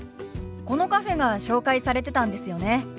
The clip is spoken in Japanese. このカフェが紹介されてたんですよね？